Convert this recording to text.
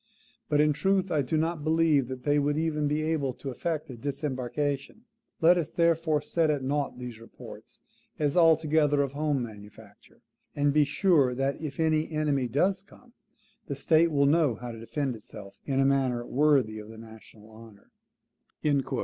BUT IN TRUTH I DO NOT BELIEVE THAT THEY WOULD EVEN BE ABLE TO EFFECT A DISEMBARKATION. LET US, THEREFORE, SET AT NOUGHT THESE REPORTS AS ALTOGETHER OF HOME MANUFACTURE; AND BE SURE THAT IF ANY ENEMY DOES COME, THE STATE WILL KNOW HOW TO DEFEND ITSELF IN A MANNER WORTHY OF THE NATIONAL HONOUR."